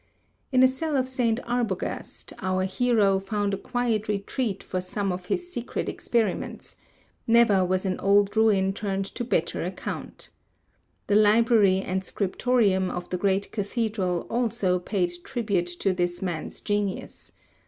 In a cell of St. Arbogast, our hero found a quiet retreat for some of his secret experiments; never was an old ruin turned to better account. The Library and Scriptorium of the great Cathedral also paid tribute to this man's genius.